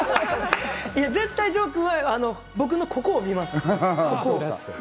絶対、丈君は僕のここを見ます。